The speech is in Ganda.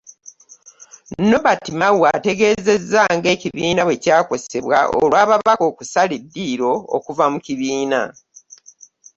Norbert Mao ategeezezza nga ekibiina bwekyakosebwa olw'ababaka okusala eddiiro okuva mu kibiina